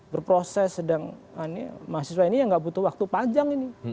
berproses sedang mahasiswa ini ya nggak butuh waktu panjang ini